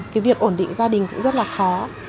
cái việc ổn định gia đình cũng rất là khó